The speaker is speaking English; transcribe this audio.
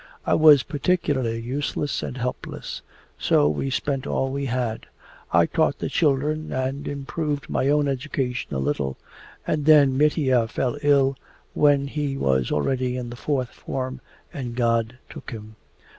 I was particularly useless and helpless. So we spent all we had. I taught the children and improved my own education a little. And then Mitya fell ill when he was already in the fourth form, and God took him.